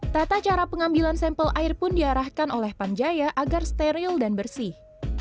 tata cara pengambilan sampel air pun diarahkan oleh pamjaya agar steril dan bersih